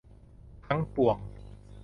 ทั้งปวง